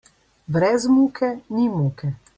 Brez muke ni moke.